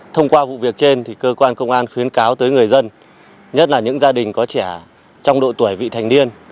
thông qua vụ việc trên cơ quan công an khuyến cáo tới người dân nhất là những gia đình có trẻ trong độ tuổi vị thành niên